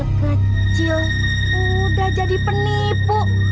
kecil udah jadi penipu